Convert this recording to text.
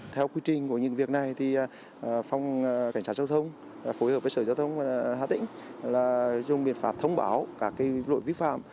theo quy trình của những việc này thì phòng cảnh sát giao thông phối hợp với sở giao thông hà tĩnh là dùng biện pháp thông báo cả cái lỗi vi phạm